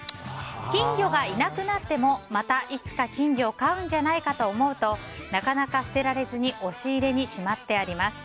金魚がいなくなってもまたいつか金魚を飼うんじゃないかと思うとなかなか捨てられずに押し入れにしまってあります。